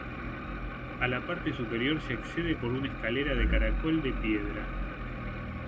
A la parte superior se accede por una escalera de caracol de piedra.